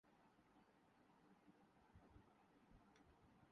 are S S سمجھتا ہے کہ ہندوستان ایک ہندووانہ مملکت ہے